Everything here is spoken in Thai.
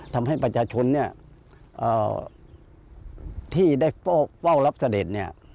ทำให้ประชาชนที่ได้เฝ้ารับเสด็จ